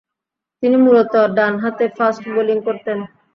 তিনি মূলতঃ ডানহাতে ফাস্ট বোলিং করতেন।